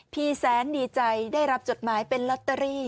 แสนดีใจได้รับจดหมายเป็นลอตเตอรี่